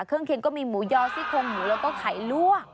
เครื่องเคียงก็มีหมูยอซีกงหมูและก็ไข่ลวก